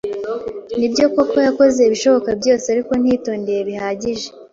Nibyo koko yakoze ibishoboka byose, ariko ntiyitondeye bihagije.